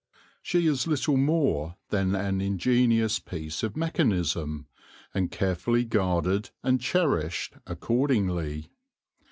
She is little more than an ingenious piece of mechanism, and carefully guarded and cherished accordingly.